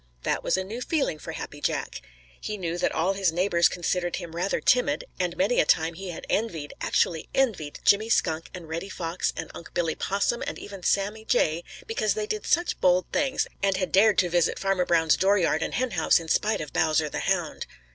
That was a new feeling for Happy Jack. He knew that all his neighbors considered him rather timid, and many a time he had envied, actually envied Jimmy Skunk and Reddy Fox and Unc' Billy Possum and even Sammy Jay because they did such bold things and had dared to visit Farmer Brown's dooryard and henhouse in spite of Bowser the Hound.